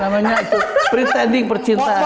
namanya itu pretending percintaan